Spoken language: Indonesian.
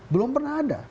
belum pernah ada